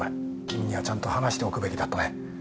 君にはちゃんと話しておくべきだったね。